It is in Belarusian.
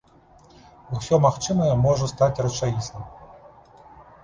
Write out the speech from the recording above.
Усё магчымае можа стаць рэчаісным.